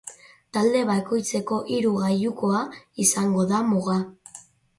Talde bakoitzeko hiru gailukoa izango da muga.